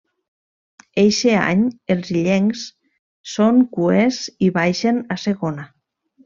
Eixe any els illencs són cuers i baixen a Segona.